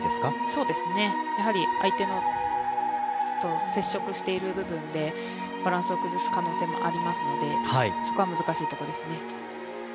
そうですね、相手と接触している部分でバランスを崩す可能性もありますので、そこは難しいところですね。